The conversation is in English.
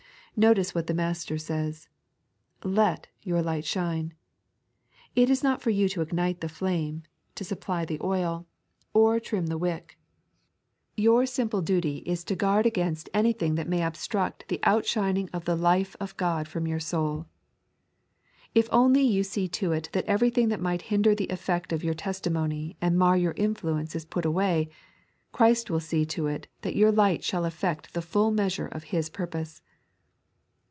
Notice what the Master says. " Let your light shine." It is not for you to ignite the flame, to supply the oil, or 3.n.iized by Google 44 Lighted to Shinb. trim the wick ; yonr eimpte duty is to guard against anything that may obetrudi the outahining of the Life of God from your soul. If only you see to it tluit everything that might hinder the effect of your testimony and mar your influence is put away, Christ will see to it that your light shall effect the full measure of His Purpose.